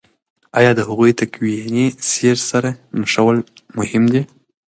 آیا د هغوی تکويني سير سره نښلول مهم دي؟